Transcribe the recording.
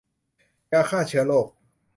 ยาฆ่าเชื้อโรค